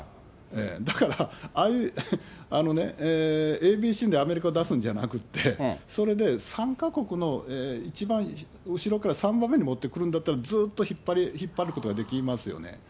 だから、あのね、ＡＢＣでアメリカ出すんじゃなくて、それで参加国の一番後ろから３番目に持ってくるんだったら、ずーっと引っ張ることができますよね。